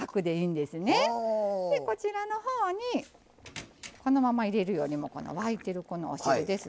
でこちらのほうにこのまま入れるよりもこの沸いてるこのお汁ですね。